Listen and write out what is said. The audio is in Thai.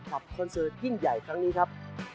กับคอนเซอร์ที่ยิ่งใหญ่ครั้งนี้ครับ